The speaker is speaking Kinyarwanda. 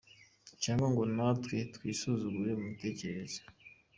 Cyangwa ngo natwe twisuzugure mu mitekerereze.